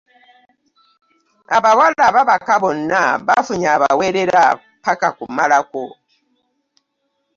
Abawala ababaka bonna bafunye ababawereza paka kumalako.